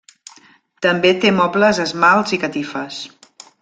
També té mobles, esmalts i catifes.